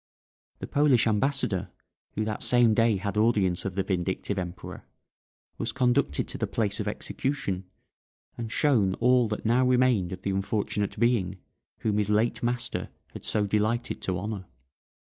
The Polish ambassador, who that same day had audience of the vindictive Emperor, was conducted to the place of execution, and shown all that now remained of the unfortunate being whom his late master had so delighted to honour.